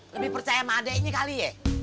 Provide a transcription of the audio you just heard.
lebih percaya sama adeknya kali ye